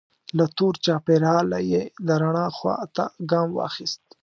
له تور چاپیریاله یې د رڼا خوا ته ګام واخیست.